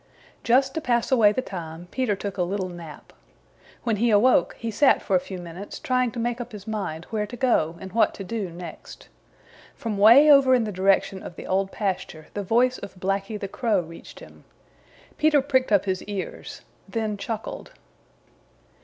Just to pass away the time Peter took a little nap. When he awoke he sat for a few minutes trying to make up his mind where to go and what to do next. From 'way over in the direction of the Old Pasture the voice of Blacky the Crow reached him. Peter pricked up his ears, then chuckled.